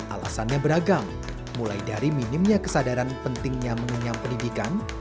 alasannya beragam mulai dari minimnya kesadaran pentingnya mengenyam pendidikan